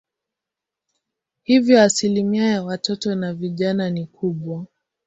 Hivyo asilimia ya watoto na vijana ni kubwa.